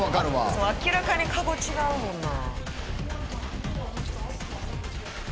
明らかに籠違うもんな。